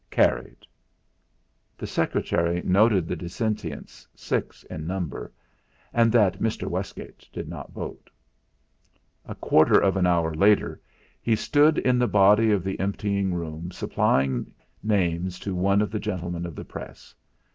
Carried." The secretary noted the dissentients, six in number, and that Mr. Westgate did not vote. A quarter of an hour later he stood in the body of the emptying room supplying names to one of the gentlemen of the Press.